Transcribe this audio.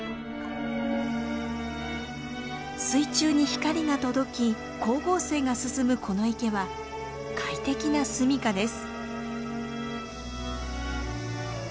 水中に光が届き光合成が進むこの池は快適なすみかです。